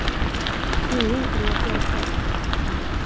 Ingen kommer att hjälpa oss.